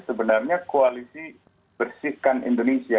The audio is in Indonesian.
sebenarnya koalisi bersihkan indonesia